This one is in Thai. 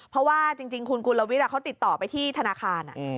เพราะว่าจริงคุณกุลวิทย์เขาติดต่อไปที่ธนาคาร